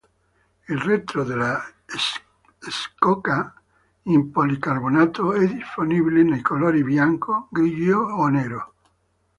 Il retro della scocca in policarbonato è disponibile nei colori bianco, grigio o nero.